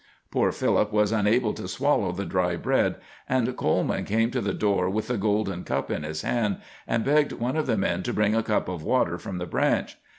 Poor Philip was unable to swallow the dry bread, and Coleman came to the door with the golden cup in his hand, and begged one of the men to bring a cup of water from the branch.